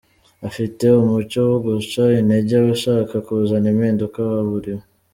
Abafite umuco wo guca Intege abashaka kuzana impinduka baburiwe.